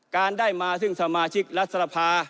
การได้มาซึ่งสมาชิกรัฐสภา